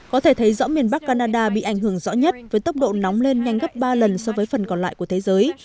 có thể thấy rõ miền bắc canada bị ảnh hưởng rõ nhất với tốc độ nóng lên nhanh gấp ba lần so với phần còn lại của thế giới